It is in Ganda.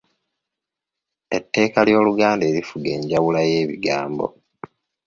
Etteeka ly’Oluganda erifuga enjawula y’ebigambo.